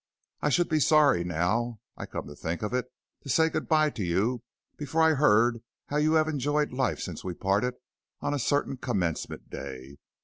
I should be sorry, now I come to think of it, to say good by to you before I heard how you had enjoyed life since we parted on a certain Commencement day.